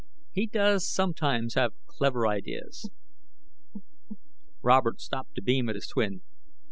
He does sometimes have clever ideas." Robert stopped to beam at his twin.